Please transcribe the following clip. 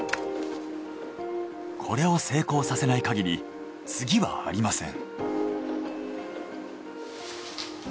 これを成功させないかぎり次はありません。